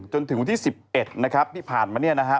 จนถึงวันที่๑๑ที่ผ่านมา